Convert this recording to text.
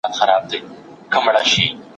دوی د حل لارې وړاندیز کوي.